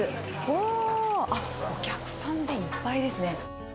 あっ、お客さんでいっぱいですね。